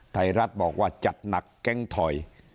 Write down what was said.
ไทยรัฐบอกว่าจัดหนักแก๊งถอย